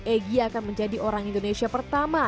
egy akan menjadi orang indonesia pertama